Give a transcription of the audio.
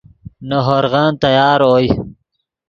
نے ہورغن تیار اوئے